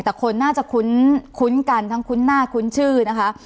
แต่คนน่าจะคุ้นกันทั้งคุ้นหน้าคุ้นชื่อนะคะ